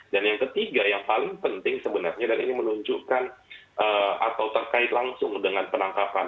dan yang ketiga yang paling penting sebenarnya dan ini menunjukkan atau terkait langsung dengan penangkapan